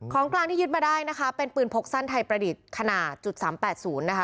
กลางที่ยึดมาได้นะคะเป็นปืนพกสั้นไทยประดิษฐ์ขนาดจุดสามแปดศูนย์นะคะ